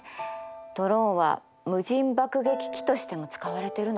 ドローンは無人爆撃機としても使われてるの。